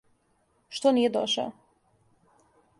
Што није дошао?